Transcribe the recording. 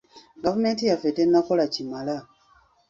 Gavumenti yaffe tannakola kimala.